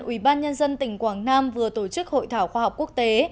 ubnd tỉnh quảng nam vừa tổ chức hội thảo khoa học quốc tế